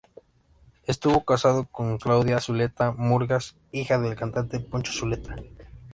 Estuvo casado con Claudia Zuleta Murgas, hija del cantante Poncho Zuleta.